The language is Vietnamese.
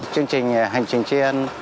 chương trình hành trình triên